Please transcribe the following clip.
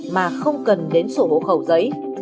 mà không cần đến sổ bộ khẩu giấy